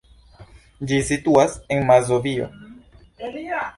Ĝi situas en Mazovio.